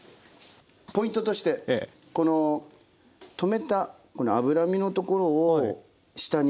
ポイントとしてこのとめたこの脂身のところを下にします。